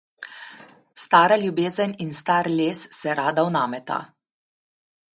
Stara ljubezen in star les se rada vnameta.